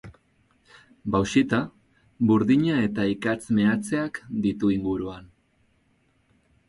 Bauxita, burdina eta ikatz-meatzeak ditu inguruan.